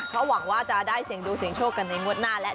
เขาหวังว่าจะได้เสียงดูเสียงโชคกันในงวดหน้าแล้ว